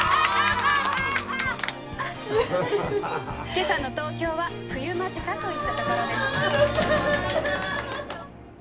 「今朝の東京は冬間近といったところです」。